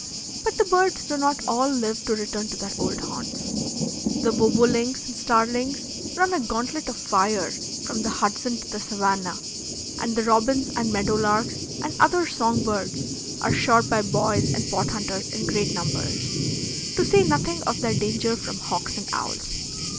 But the birds do not all live to return to their old haunts: the bobolinks and starlings run a gauntlet of fire from the Hudson to the Savannah, and the robins and meadow larks and other song birds are shot by boys and pot hunters in great numbers, to say nothing of their danger from hawks and owls.